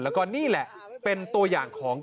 แล้วก็นี่แหละเป็นตัวอย่างของ